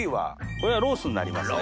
これはロースになりますね。